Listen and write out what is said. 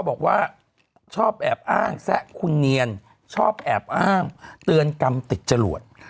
สวัสดีค่ะพี่แอมเน็บใคร